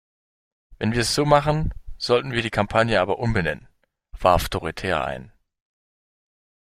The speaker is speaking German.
Wenn wir es so machen, sollten wir die Kampagne aber umbenennen, warf Dorothea ein.